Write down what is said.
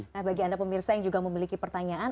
nah bagi anda pemirsa yang juga memiliki pertanyaan